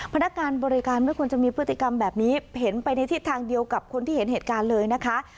พนักงานบริการไม่ควรจะมีพฤติกรรมแบบนี้เห็นไปในทิศทางเดียวกับคนที่เห็นเหตุการณ์เลยนะคะ